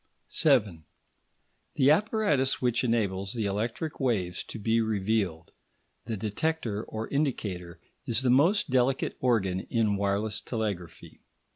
§ 7 The apparatus which enables the electric waves to be revealed, the detector or indicator, is the most delicate organ in wireless telegraphy.